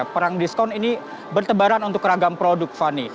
perang diskon ini bertebaran untuk ragam produk fani